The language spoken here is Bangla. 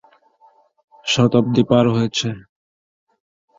শতাব্দী পার হয়েছে।